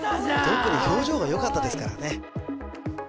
特に表情がよかったですからね